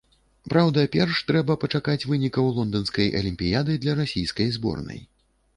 Праўда, перш трэба пачакаць вынікаў лонданскай алімпіяды для расійскай зборнай.